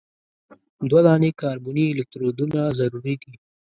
دوه دانې کاربني الکترودونه ضروري دي.